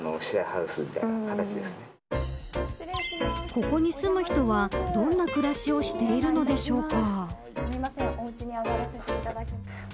ここに住む人はどんな暮らしをしているのでしょうか。